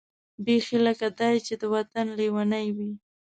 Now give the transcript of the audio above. بېخي لکه دای چې د وطن لېونۍ وي.